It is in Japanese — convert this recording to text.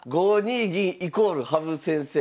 ５二銀イコール羽生先生。